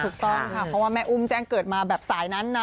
ถูกต้องค่ะเพราะว่าแม่อุ้มแจ้งเกิดมาแบบสายนั้นนะ